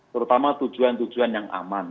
terutama tujuan tujuan yang aman